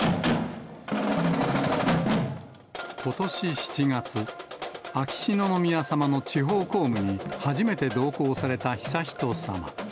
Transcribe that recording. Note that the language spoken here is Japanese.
ことし７月、秋篠宮さまの地方公務に初めて同行された悠仁さま。